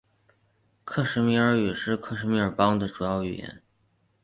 克什米尔语是克什米尔邦的主要语言。